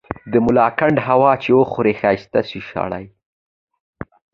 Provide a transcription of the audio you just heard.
د ملاکنډ هوا چي وخوري ښايسته شی سړے